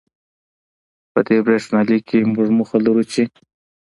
په دې برېښنالیک کې، موږ موخه لرو چې